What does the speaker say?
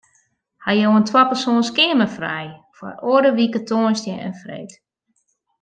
Ha jo in twapersoans keamer frij foar oare wike tongersdei en freed?